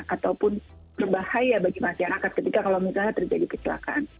ataupun berbahaya bagi masyarakat ketika kalau misalnya terjadi kecelakaan